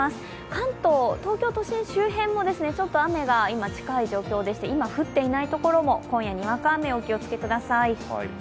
関東、東京都心周辺もちょっと雨が近い状況でして今、降っていない所も今夜、にわか雨にお気をつけください。